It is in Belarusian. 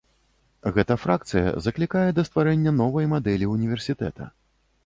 Гэта фракцыя заклікае да стварэння новай мадэлі універсітэта.